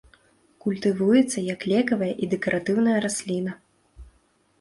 Культывуецца як лекавая і дэкаратыўная расліна.